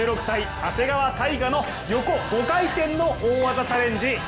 １６歳、長谷川帝勝の横５回転の大技チャレンジ。